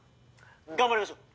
頑張りましょう！